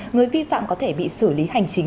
người vi phạm có thể bị xử lý hành chính